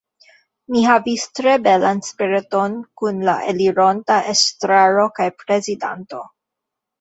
Mi havis tre belan sperton kun la elironta Estraro kaj Prezidanto.